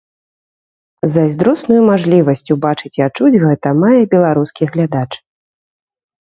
Зайздросную мажлівасць убачыць і адчуць гэта мае беларускі глядач.